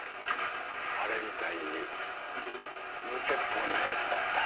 あれみたいに無鉄砲な奴だった。